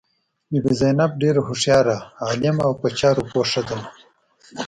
بي بي زینب ډېره هوښیاره، عالمه او په چارو پوه ښځه وه.